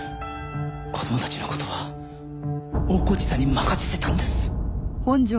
子供たちの事は大河内さんに任せてたんです。